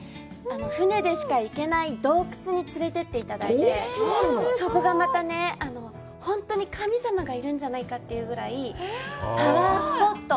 船でしか行けない洞窟に連れていっていただいて、そこがまたね、本当に神様がいるんじゃないかというぐらいパワースポット。